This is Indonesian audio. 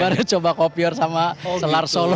baru coba kopior sama selar solo